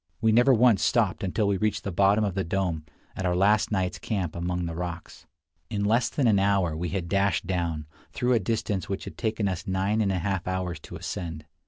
We never once stopped until we reached the bottom of the dome, at our last night's camp among the rocks. In less than an hour we had dashed down, through a distance which it had taken us nine and a half hours to ascend.